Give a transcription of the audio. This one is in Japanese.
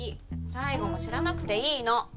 才悟も知らなくていいの。